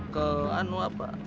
ke anu apa